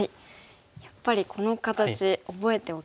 やっぱりこの形覚えておきたいですよね。